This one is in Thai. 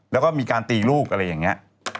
แล้วก็มีการตีลูกอะไรอย่างนี้